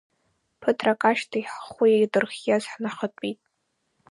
Ԥыҭрак ашьҭахь ҳхәы идырхиаз ҳнахатәеит.